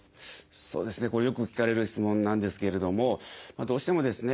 そうですねこれよく聞かれる質問なんですけれどもどうしてもですね